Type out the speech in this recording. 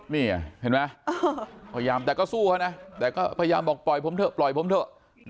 นี่เห็นไหมพยายามแต่ก็สู้เขานะแต่ก็พยายามบอกปล่อยผมเถอะปล่อยผมเถอะ